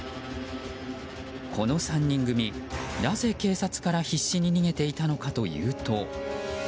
この３人組、なぜ警察から必死に逃げていたのかというと。